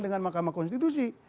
dengan mkd karena itu